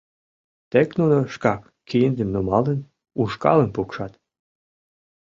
— Тек нуно шкак, киндым нумалын, ушкалым пукшат.